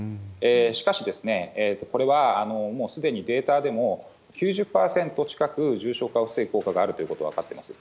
しかし、これはもうすでにデータでも、９０％近く重症化を防ぐ効果があることが分かってます。